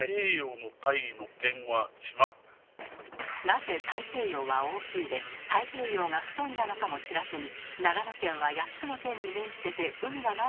なぜ大西洋は「大」で太平洋が「太」なのかも知らずに「長野県は８つの県に面してて海がないよね」